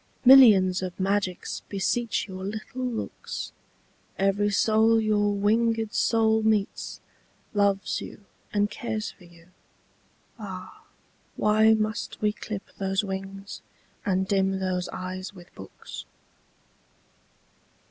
Millions of magics beseech your little looks; Every soul your winged soul meets, loves you and cares for you. Ah! why must we clip those wings and dim those eyes with books?